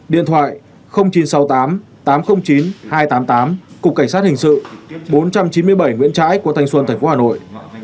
điện thoại chín trăm sáu mươi tám tám trăm linh chín hai trăm tám mươi tám cục cảnh sát hình sự bốn trăm chín mươi bảy nguyễn trãi quận thanh xuân tp hà nội